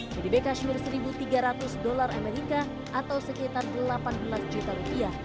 kedipan kashmir satu tiga ratus dolar as atau sekitar delapan belas juta rupiah